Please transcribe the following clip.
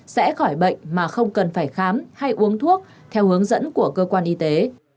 sẽ khỏi bệnh mà không cần phải khám hay uống thuốc theo hướng dẫn của cơ quan y tế